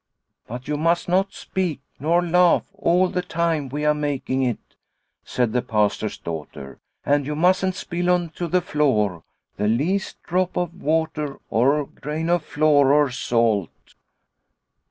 But you mustn't speak nor laugh all the time we are making it," said the Pastor's daughter, " and you mustn't spill on to the floor the least drop of water or grain of flour or salt."